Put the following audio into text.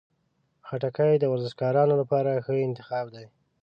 خټکی د ورزشکارانو لپاره ښه انتخاب دی.